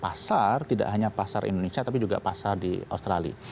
dan pasar tidak hanya pasar indonesia tapi juga pasar di australia